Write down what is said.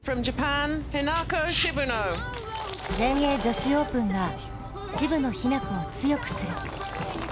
全英女子オープンが、渋野日向子を強くする。